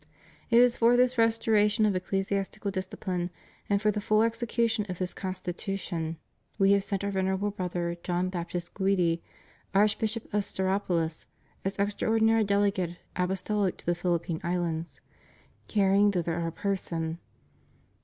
It is for this restoration of ecclesiastical discipline and for the full execution of this Constitution We have sent our Venerable Brother John Baptist Guidi, Archbishop of Stauropolis, as Extraordinary Delegate Apostolic to the Philippine Islands, carrying thither Our person.